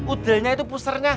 udelnya itu pusernya